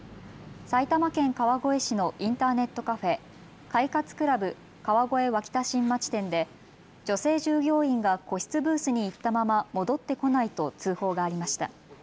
埼玉県川越市のインターネットカフェ快活ＣＬＵＢ川越脇田新町店で女性従業員が個室ブースに行ったまま戻って来ないと通報がありました。